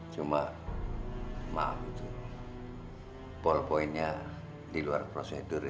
cuma maaf paul point nya di luar prosedur